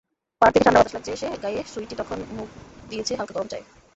পাহাড় থেকে ঠান্ডা বাতাস লাগছে এসে গায়েসুইটি তখন মুখ দিয়েছে হালকা গরম চায়ে।